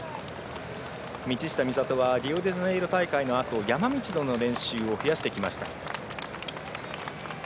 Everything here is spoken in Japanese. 道下美里はリオデジャネイロ大会のあと山道での練習を増やしてきました。